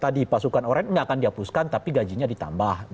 tadi pasukan orang tidak akan dihapuskan tapi gajinya ditambah